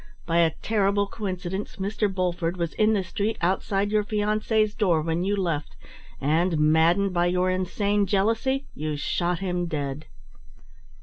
By a terrible coincidence, Mr. Bulford was in the street outside your fiancée's door when you left, and maddened by your insane jealousy, you shot him dead.